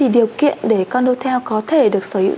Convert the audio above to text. điều kiện để condotel có thể được sử dụng